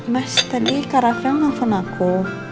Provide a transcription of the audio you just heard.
mas tadi kak rafael nelfon aku